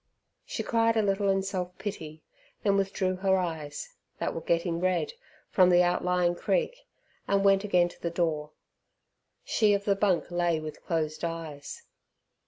She cried a little in self pity, then withdrew her eyes, that were getting red, from the outlying creek, and went again to the door. She of the bunk lay with closed eyes.